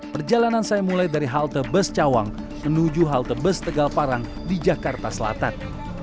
perjalanan saya mulai dari halte bus cawang menuju halte bus tegal parang di jakarta selatan